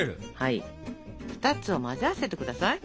２つを混ぜ合わせてください。ＯＫ。